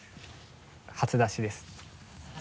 初だしです。